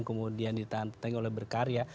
kemudian ditanteng oleh berkarya